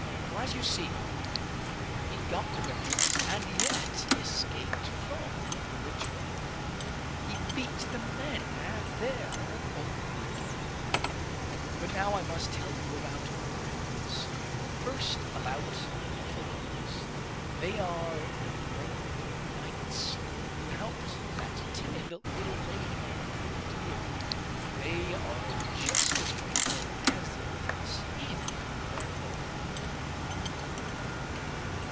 For, as you see, he got the bananas and yet escaped from that trap! He beat the men at their own game! But now I must tell you about other animals, first about buffaloes. They are the brave knights who helped that timid little lady, the blue deer. They are just as wonderful as the elephants, in their own way.